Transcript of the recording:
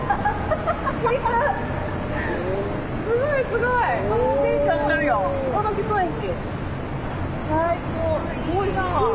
すごいなあ。